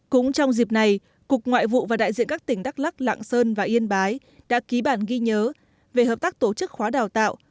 cũng trong dịp này cục ngoại vụ và đại diện các tỉnh đắk lắc lạng sơn và yên bái đã ký bản ghi nhớ về hợp tác tổ chức khóa đào tạo